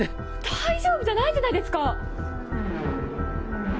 大丈夫じゃないじゃないですか！